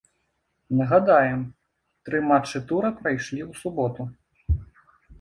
Нагадаем, тры матчы тура прайшлі ў суботу.